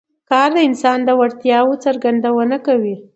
کار د انسان د وړتیاوو څرګندونه کوي